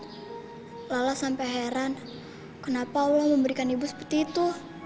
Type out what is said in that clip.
saya lala sampai heran kenapa allah memberikan ibu seperti itu